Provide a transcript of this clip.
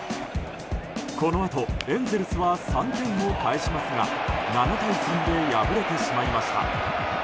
このあとエンゼルスは３点を返しますが７対３で敗れてしまいました。